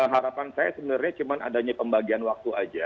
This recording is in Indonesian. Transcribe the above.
harapan saya sebenarnya cuma adanya pembagian waktu aja